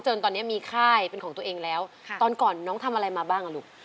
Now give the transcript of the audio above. จนตอนนี้มีค่ายเป็นของตัวเองแล้วตอนก่อนน้องทำอะไรมาบ้างอ่ะลูก